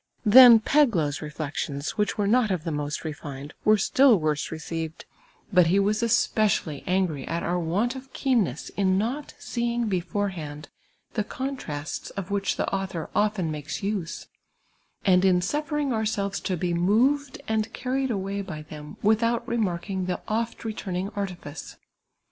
Then Peglow's reflections, which were not of the most refined, were still worse received ; but he was especially angiy at our want of keenness in not seeing beforehand the contrasts of which the author often makes use, and in suffering ourselves to be moved and carried away by them without remarking the oft returning artifice.